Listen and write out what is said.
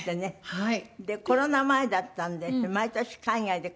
はい。